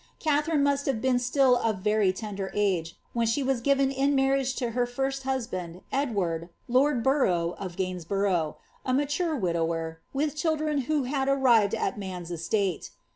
Katliarine anst have been still of very tender age, when she was given in marriage to her first husband, Edward, lord Borough of Gainsborough,' a mature vidower, with children who had arrived at man's estate.